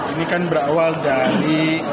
ini kan berawal dari